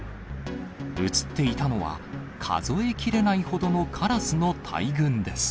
写っていたのは、数えきれないほどのカラスの大群です。